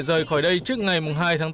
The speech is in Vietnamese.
rời khỏi đây trước ngày hai tháng bốn